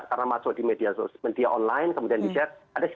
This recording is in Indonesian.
karena masuk di media online kemudian di share